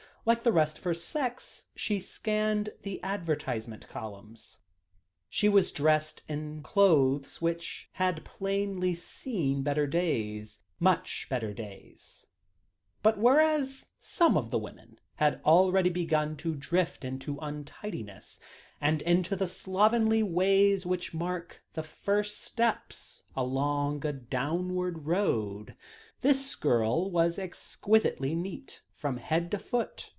Like the rest of her sex who scanned the advertisement columns, she was dressed in clothes which had plainly seen better days much better days. But, whereas some of the other women had already begun to drift into untidiness, and into the slovenly ways which mark the first step along a downward road, this girl was exquisitely neat from head to foot.